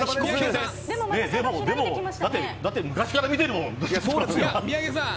でもだって昔から見てるもん。